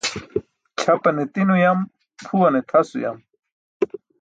Ćʰapane tin uyam, phuwane tʰas uyam.